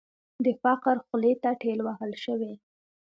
د فقر خولې ته ټېل وهل شوې.